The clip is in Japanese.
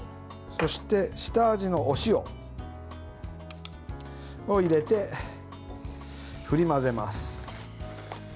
そして下味のお塩を入れて振り混ぜます。